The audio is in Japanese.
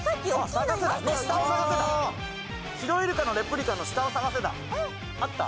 入り口にシロイルカのレプリカの下を探せだあった？